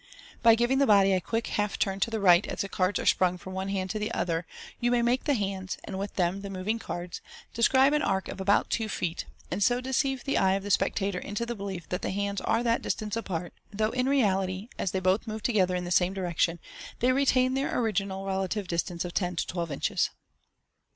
By giving the body a quick half turn to the right as the cards are sprung from one hand to the other, you may make the hands (and with them the moving cards) describe an arc of about two feet, and so deceive the eye of the spectator into the belief that the hands are that distance apart, though in reality, as they both move together in the same direction, they retain throughout their original relative distance of ten or twelve inches.